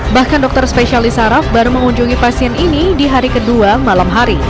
bahkan dokter spesialis saraf baru mengunjungi pasien ini di hari kedua malam hari